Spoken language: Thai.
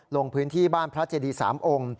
ลงพื้นที่บ้านพระเจดี๓องค์